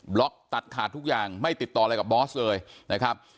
ล็อกตัดขาดทุกอย่างไม่ติดต่ออะไรกับบอสเลยนะครับ